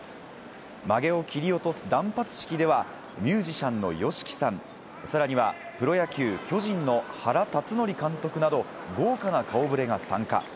まげを切り落とす断髪式では、ミュージシャンのＹＯＳＨＩＫＩさん、さらにはプロ野球・巨人の原辰徳監督など、豪華な顔ぶれが参加。